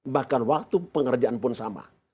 bahkan waktu pengerjaan pun sama